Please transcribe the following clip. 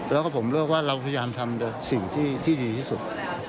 แล้วก็ผมเลือกว่าเราพยายามทำสิ่งที่ดีที่สุด